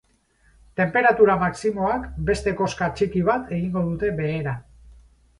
Tenperatura maximoak beste koska txiki bat egingo dute behera.